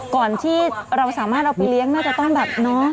ก่อนที่เราสามารถเอาไปเลี้ยงน่าจะต้องแบบเนาะ